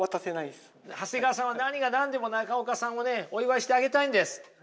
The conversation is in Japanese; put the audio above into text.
長谷川さんは何が何でも中岡さんをねお祝いしてあげたいんです。